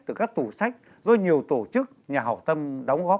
từ các tủ sách do nhiều tổ chức nhà hảo tâm đóng góp